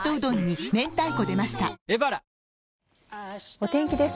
お天気です。